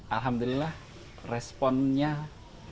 alhamdulillah responnya cukup bagus